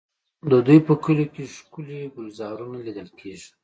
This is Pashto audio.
د دوی په کلیو کې ښکلي ګلزارونه لیدل کېږي.